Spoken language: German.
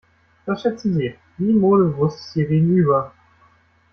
Was schätzen Sie, wie modebewusst ist Ihr Gegenüber?